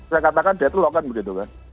saya katakan deadlock kan begitu kan